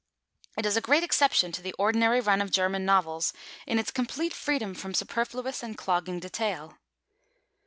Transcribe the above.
It is a great exception to the ordinary run of German novels in its complete freedom from superfluous and clogging detail.